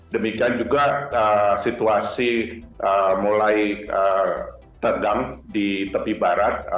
demikian juga situasi mulai tergang di tepi barat